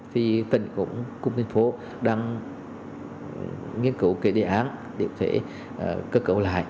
thì tỉnh cũng khu tỉnh phố đang nghiên cứu cái đề án để có thể cơ cấu lại